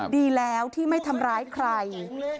ดีแล้วที่ไม่ทำร้ายใคร